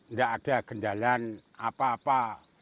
nggak ada gendalan apa apa